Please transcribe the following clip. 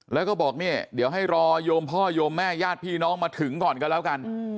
แล้วก็บอกเนี่ยเดี๋ยวให้รอโยมพ่อโยมแม่ญาติพี่น้องมาถึงก่อนก็แล้วกัน